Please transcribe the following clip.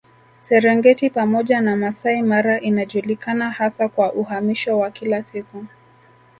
Serengeti pamoja na Masai Mara inajulikana hasa kwa uhamisho wa kila siku